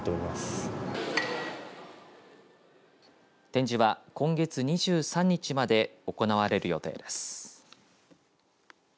展示は、今月２３日まで行われる予定です。